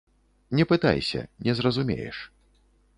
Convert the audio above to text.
Не пытайся, не зразумееш.